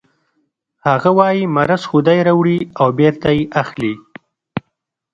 هغه وايي مرض خدای راوړي او بېرته یې اخلي